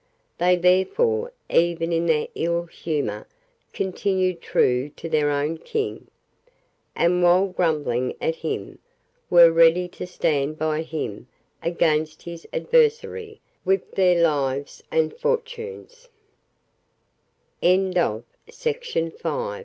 They therefore, even in their ill humour, continued true to their own King, and, while grumbling at him, were ready to stand by him against his adversary with their lives and fortunes,